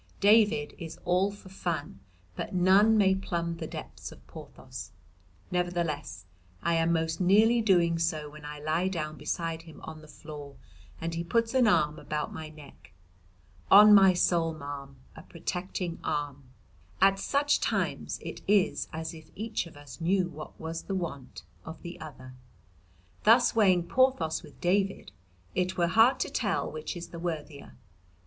David is all for fun, but none may plumb the depths of Porthos. Nevertheless I am most nearly doing so when I lie down beside him on the floor and he puts an arm about my neck. On my soul, ma'am, a protecting arm. At such times it is as if each of us knew what was the want of the other. "Thus weighing Porthos with David it were hard to tell which is the worthier.